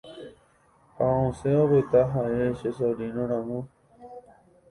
ha osẽ opyta ha'e che sobrino-ramo